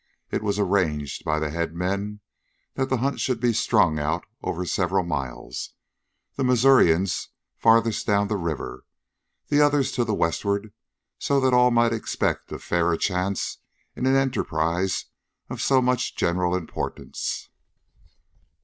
It was arranged by the head men that the hunt should be strung out over several miles, the Missourians farthest down the river, the others to the westward, so that all might expect a fairer chance in an enterprise of so much general importance.